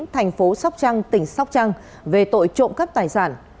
thành phố sóc trăng tỉnh sóc trăng về tội trộm cắp tài sản